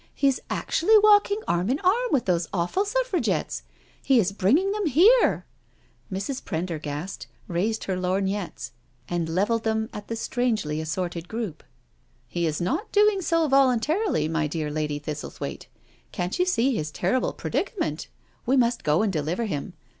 *' He is actually walking arm in arm with those awful Suffragettes — ^he is bringing them in here I" Mrs. Prendergast raised her lorgnettes and levelled them at the strangely assorted group. '* He is not doing so voluntarily, my dear Lady Thistlethwaite. Can't you see his terrible predicament? We must go and deliver him.